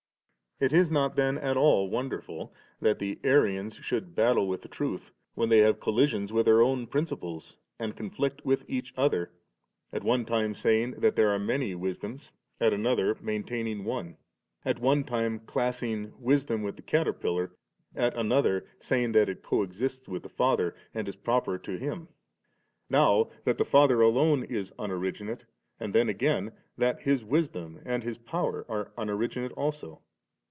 It is not then at all wonderful, that the Arians should battle with the truth, when they have collisions with their own principles and conflict with each other, at one time saying that there are many wisdoms, at another maintaining one ; at one time classing wisdom with the caterpillar, at another saying that it coexists with the Father and is proper to Him ; now that die Father alone is unoriginate, and then again that His Wisdom and His Power are unoriginate also.